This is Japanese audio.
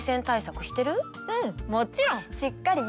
うんもちろん！